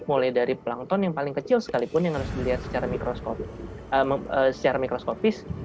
mulai dari plankton yang paling kecil sekalipun yang harus dilihat secara mikroskopis